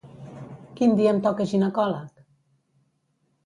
Quin dia em toca ginecòleg?